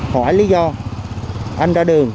hỏi lý do anh ra đường